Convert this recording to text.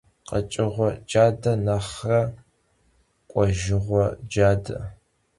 Khek'ueğue cade nexhre k'uejjığue cade.